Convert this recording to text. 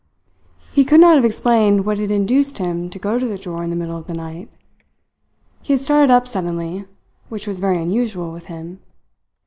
He could not have explained what had induced him to go to the drawer in the middle of the night. He had started up suddenly which was very unusual with him.